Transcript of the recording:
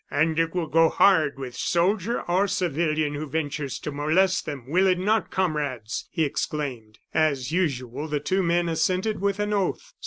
"And it will go hard with soldier or civilian who ventures to molest them, will it not, comrades?" he exclaimed. As usual, the two men assented with an oath.